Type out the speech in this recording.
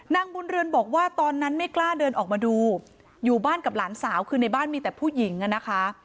นางบุญเรือนบอกว่าตอนนั้นไม่กล้าเดินออกมาดูอยู่บ้านกับหลานสาวคือในบ้านมีแต่ผู้หญิงอ่ะนะคะ